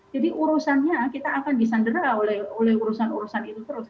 jadi urusannya kita akan disandera oleh urusan urusan itu terus